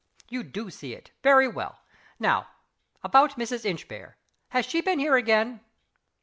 You do see it? Very well. Now about Mrs. Inchbare? Has she been here again?"